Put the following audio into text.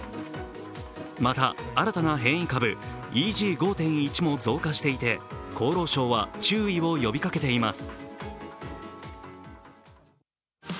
また新たな変異株ＥＧ．５．１も増加していて厚労省は注意を呼びかけています。